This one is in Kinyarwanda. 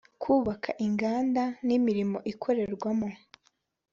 kubaka inganda n imirimo ikorerwamo